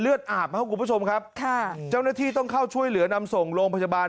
เลือดอาบมาให้คุณผู้ชมครับค่ะเจ้าหน้าที่ต้องเข้าช่วยเหลือนำส่งลงพจบาล